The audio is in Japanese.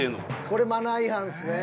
これマナー違反ですね。